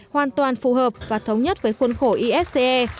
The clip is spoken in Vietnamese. hoàn toàn phù hợp và thống nhất với khuôn khổ ifce